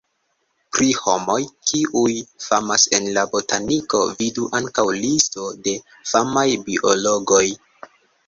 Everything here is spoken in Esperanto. Pri homoj, kiuj famas en botaniko vidu ankaŭ: listo de famaj biologoj.